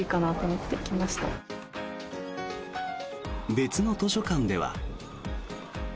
別の図書館では。